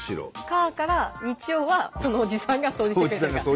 火から日曜はそのおじさんが掃除してくれてるから？